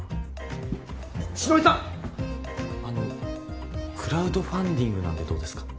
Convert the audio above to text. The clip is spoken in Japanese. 城井さんあのクラウドファンディングなんてどうですか？